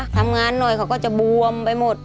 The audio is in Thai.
ทำงานหน่อยเขาก็จะบวมไปหมด